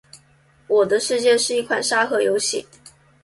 《我的世界》是一款沙盒游戏。